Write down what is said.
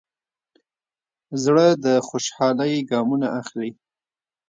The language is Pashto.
زړه د خوشحالۍ ګامونه اخلي.